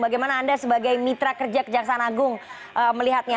bagaimana anda sebagai mitra kerja kejaksaan agung melihatnya